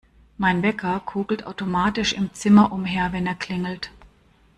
Mein Wecker kugelt automatisch im Zimmer umher, wenn er klingelt.